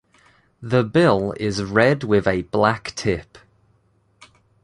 The bill is red with a black tip.